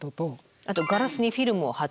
あとガラスにフィルムを貼ったりとか。